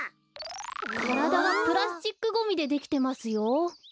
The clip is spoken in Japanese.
からだがプラスチックゴミでできてますよ。